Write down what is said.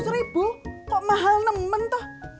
tiga ratus ribu kok mahal nemen tuh